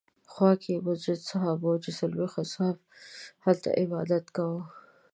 خوا کې یې مسجد صحابه دی چې څلوېښت اصحابو هلته عبادت کاوه.